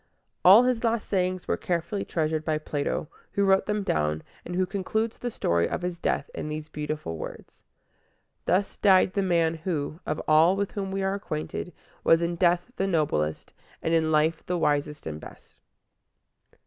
All his last sayings were carefully treasured by Plato, who wrote them down, and who concludes the story of his death in these beautiful words: "Thus died the man who, of all with whom we are acquainted, was in death the noblest, and in life the wisest and best."